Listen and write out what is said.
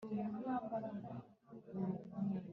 Marayika wundi ava muri rwa rusengero rwo mu mugi